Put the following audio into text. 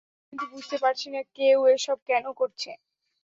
কিন্তু বুঝতে পারছি না কেউ এসব কেন করছে?